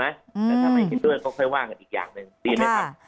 แต่ถ้าไม่เห็นด้วยก็ค่อยว่ากันอีกอย่างหนึ่งดีไหมครับ